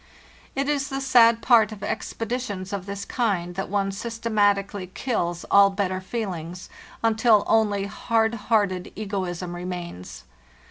It is the sad part of expeditions of this kind that one systematically kills all better feelings, until only hard hearted egoism remains.